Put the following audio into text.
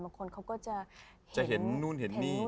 บางคนเขาก็จะเห็นนู่นเห็นนี่